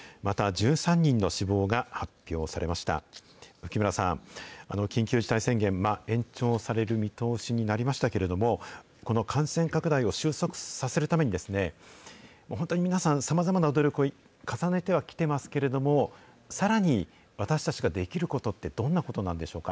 浮村さん、緊急事態宣言、延長される見通しになりましたけれども、この感染拡大を収束させるために、本当に皆さん、さまざまな努力を重ねてはきてますけれども、さらに私たちができることって、どんなことなんでしょうか。